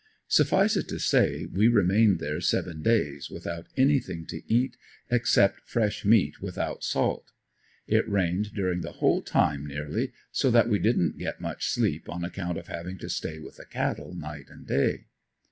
Suffice it to say, we remained there seven days without anything to eat except fresh meat without salt. It rained during the whole time nearly, so that we didn't get much sleep on account of having to stay with the cattle night and day.